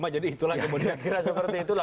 jadi itulah kemudian